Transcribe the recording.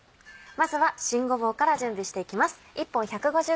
まずは新ごぼうから準備していきます。